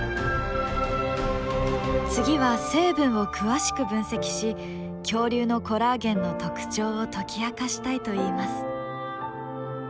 次は成分を詳しく分析し恐竜のコラーゲンの特徴を解き明かしたいといいます。